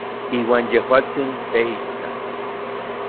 Iuan yejuatsin teijita.